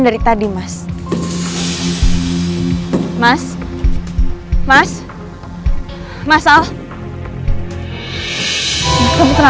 dari tadi mas mas mas mas mas al